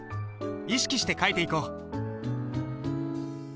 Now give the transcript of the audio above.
意識して書いていこう。